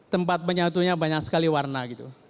tempat menyatunya banyak sekali warna gitu